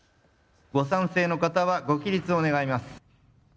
ご賛成の方はご起立を願います。